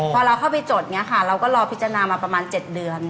พอเราเข้าไปจดเนี่ยค่ะเราก็รอพิจารณามาประมาณ๗เดือน